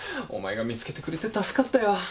お前が見つけてくれて助かったよ。